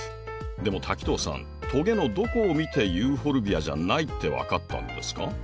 でも滝藤さんトゲのどこを見てユーフォルビアじゃないって分かったんですか？